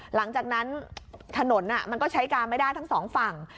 หลังจากนั้นถนนมันก็ใช้การไม่ได้ทั้งสองฝั่ง